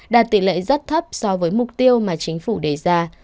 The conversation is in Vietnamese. đạt tỷ lệ rất thấp so với mục tiêu mà chính phủ đề ra